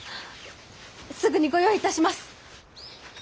すぐにご用意いたします！